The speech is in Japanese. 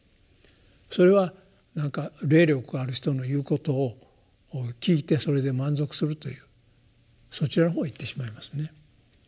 それはなんか霊力ある人の言うことを聞いてそれで満足するというそちらのほうへ行ってしまいますね。